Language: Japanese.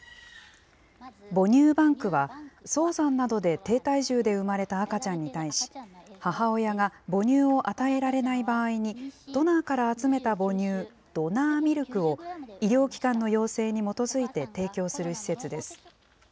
母乳バンクは、早産などで低体重で産まれた赤ちゃんに対し、母親が母乳を与えられない場合に、ドナーから集めた母乳、ドナーミルクを医療機関の要請に基づいて提供する施設です。